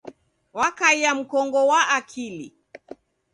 Wakaia mkongo wa akili.